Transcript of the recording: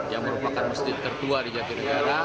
yang merupakan masjid tertua di jatinegara